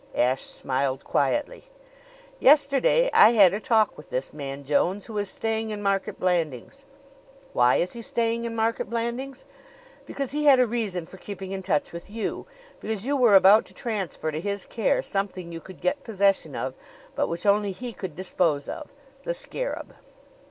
Ashe smiled quietly. "Yesterday I had a talk with this man Jones, who is staying in Market Blandings. Why is he staying in Market Blandings? Because he had a reason for keeping in touch with you; because you were about to transfer to his care something you could get possession of, but which only he could dispose of the scarab."